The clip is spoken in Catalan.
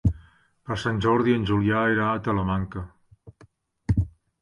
Per Sant Jordi en Julià irà a Talamanca.